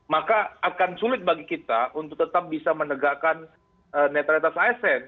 maka akan sulit bagi kita untuk tetap bisa menegakkan netralitas asn